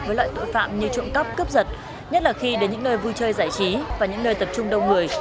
với loại tội phạm như trộm cắp cướp giật nhất là khi đến những nơi vui chơi giải trí và những nơi tập trung đông người